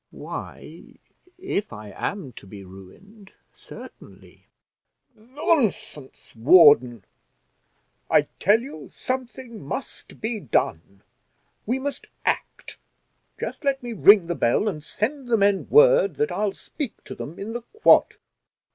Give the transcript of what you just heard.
"Why, if I am to be ruined, certainly." "Nonsense, warden; I tell you something must be done; we must act; just let me ring the bell, and send the men word that I'll speak to them in the quad."